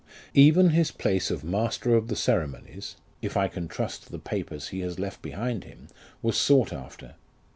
Even his place of master of the ceremonies (if I can trust the papers he has left behind him) was sought after.